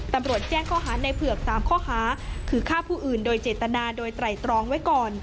ตำรวจแจ้งข้อหาในเผือก๓ข้อหาคือฆ่าผู้อื่นโดยเจตนาโดยไตรตรองไว้ก่อน